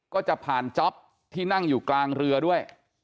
ก็จะผ่านจ๊อปที่นั่งอยู่กลางเรือด้วย